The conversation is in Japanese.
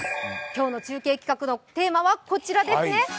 今日の中継企画のテーマはこちらですね。